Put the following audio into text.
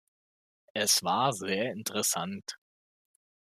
Es war sehr interessant.